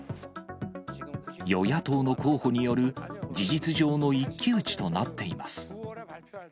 与野党の候補による事実上の一騎打ちとなっています。